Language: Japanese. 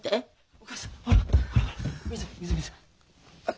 お母さんほらほら水水水。